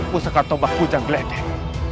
pusaka toba kujang gledek